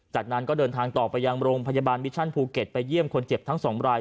จากนั้นก็เดินทางต่อไปยังโรงพยาบาลมิชชั่นภูเก็ตไปเยี่ยมคนเจ็บทั้งสองราย